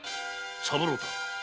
三郎太。